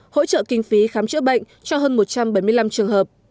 hỗ trợ kinh phí khám chữa bệnh cho hơn một trăm bảy mươi năm trường hợp